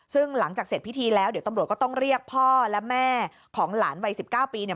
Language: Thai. ซึ่งหลังจากเสร็จพิธีแล้วเดี๋ยวตำรวจก็ต้องเรียกพ่อและแม่ของหลานวัย๑๙ปีเนี่ย